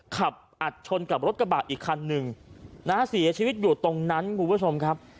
อัดชนกับรถกระบะอีกคันหนึ่งนะฮะเสียชีวิตอยู่ตรงนั้นคุณผู้ชมครับ